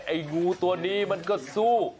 ไอ้งูตัวนี้มันก็สู้